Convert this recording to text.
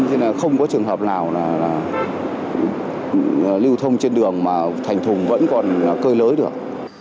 nên là không có trường hợp nào là lưu thông trên đường mà thành thùng vẫn còn cơi lới được